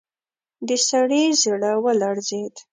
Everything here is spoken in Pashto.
د سړي زړه ولړزېد.